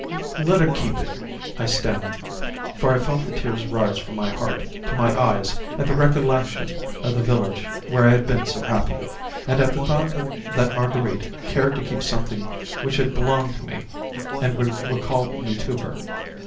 "Let her keep it," I stammered, for I felt the tears rise from my heart to my eyes at the recollection of the village where I had been so happy, and at the thought that Marguerite cared to keep something which had belonged to me and would recall me to her.